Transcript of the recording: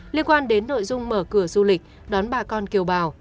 liên quan đến nội dung mở cửa du lịch đón bà con kiều bào